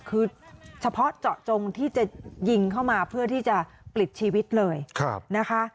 คือเฉพาะเจาะจงที่จะยิงเข้ามาเพื่อที่จะปลิดชีวิตเลยนะคะ